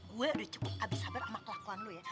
gue udah cukup kabisabar sama kelakuan lu ya